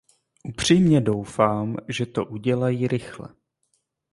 Upřímně doufám, že to udělají rychle.